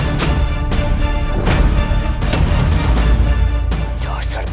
jangan berjepak kamu anak siluang lipoto